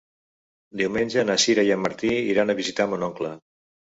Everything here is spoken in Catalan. Diumenge na Sira i en Martí iran a visitar mon oncle.